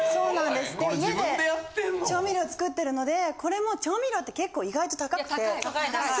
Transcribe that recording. で家で調味料作ってるのでこれも調味料って結構意外と高くて。